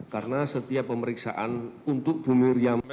karena setiap pemeriksaan untuk bu miriam